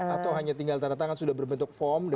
atau hanya tinggal tanda tangan sudah berbentuk form